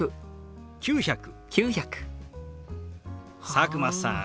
佐久間さん